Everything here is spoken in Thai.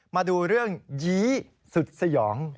มาดูเรื่องยี้สุดสยอง